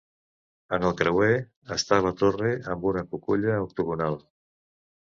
En el creuer, està la torre amb una cuculla octogonal.